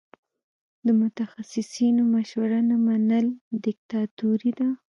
د متخصصینو مشوره نه منل دیکتاتوري ده.